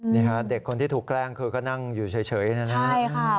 นี่ค่ะเด็กคนที่ถูกแกล้งคือก็นั่งอยู่เฉยนะครับ